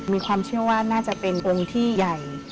มีความเชื่อว่าน่าจะเป็นองค์ที่ใหญ่